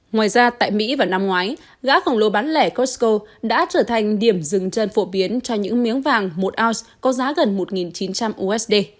ngoài ra tại mỹ vào năm ngoái gã phòng lô bán lẻ costco đã trở thành điểm dừng chân phổ biến cho những miếng vàng một oz có giá gần một chín trăm linh usd